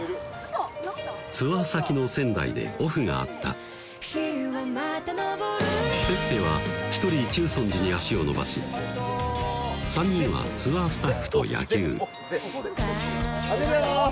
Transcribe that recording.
ツアー先の仙台でオフがあったｐｅｐｐｅは一人中尊寺に足を延ばし３人はツアースタッフと野球いきます